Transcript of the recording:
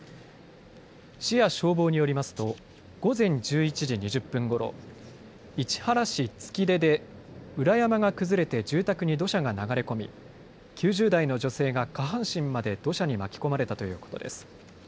市や消防によりますと午前１１時２０分ごろ市原市月出で裏山が崩れて住宅に土砂が流れ込み９０代の女性が下半身まで土砂に巻き込まれたということです。